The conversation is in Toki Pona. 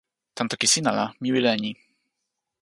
tan toki sina la, mi wile e ni: